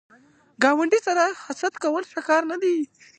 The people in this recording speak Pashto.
ګاونډي سره حسد کول ښه کار نه دی